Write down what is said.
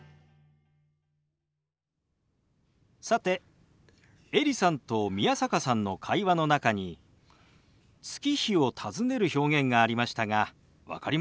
さてエリさんと宮坂さんの会話の中に月日を尋ねる表現がありましたが分かりましたか？